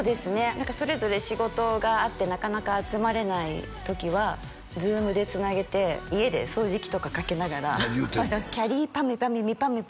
何かそれぞれ仕事があってなかなか集まれない時はＺｏｏｍでつなげて家で掃除機とかかけながら「きゃりーぱみゅぱみゅみぱみゅぱみゅ」